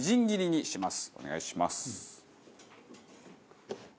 お願いします。